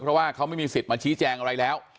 เพราะว่าเขาไม่มีสิทธิ์มาชี้แจงอะไรแล้ว